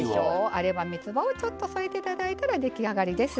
あればみつばをちょっと添えて頂いたら出来上がりです。